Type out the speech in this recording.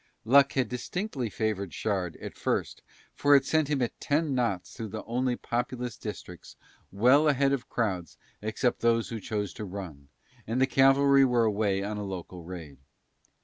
Luck had distinctly favoured Shard at first for it sent him at ten knots through the only populous districts well ahead of crowds except those who chose to run, and the cavalry were away on a local raid.